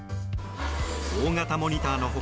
大型モニターの他